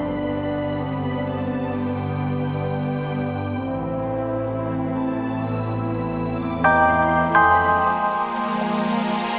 ndang semuanya dis spielt tu primera kue